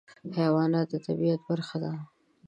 حیوانات د طبیعت برخه ده.